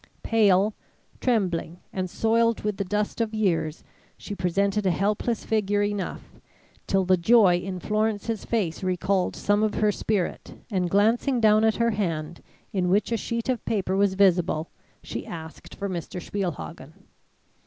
Pale, trembling, and soiled with the dust of years, she presented a helpless figure enough, till the joy in Florence's face recalled some of her spirit, and, glancing down at her hand in which a sheet of paper was visible, she asked for Mr. Spielhagen.